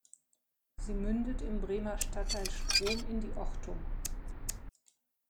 Sie mündet im Bremer Stadtteil Strom in die Ochtum.